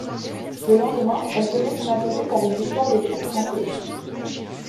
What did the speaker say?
Le lendemain, elle connait son apogée par une victoire des troupes françaises.